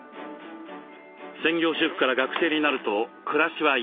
専業主婦から学生になると暮らしは一変。